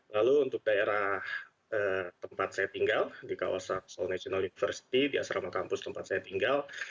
lalu untuk daerah tempat saya tinggal di kawasan seoul national university di asrama kampus tempat saya tinggal